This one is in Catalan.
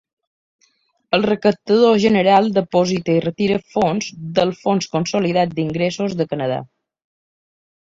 El recaptador general deposita i retira fons del fons consolidat d'ingressos de Canadà.